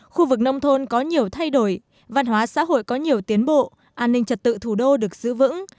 khu vực nông thôn có nhiều thay đổi văn hóa xã hội có nhiều tiến bộ an ninh trật tự thủ đô được giữ vững